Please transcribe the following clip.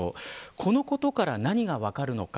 このことから何が分かるのか。